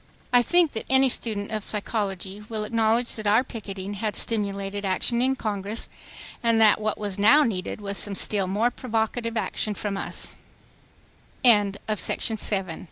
I think that any student of psychology will acknowledge that our picketing had stimulated action in Congress, and that what was now needed was some still more provocative action